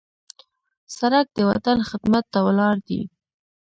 سړک د وطن خدمت ته ولاړ دی.